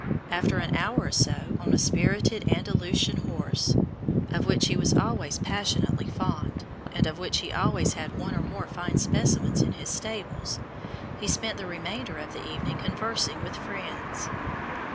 After an hour or so on a spirited Andalusian horse, of which he was always passionately fond, and of which he always had one or more fine specimens in his stables, he spent the remainder of the evening conversing with friends.